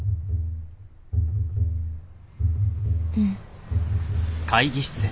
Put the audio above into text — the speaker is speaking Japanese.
うん。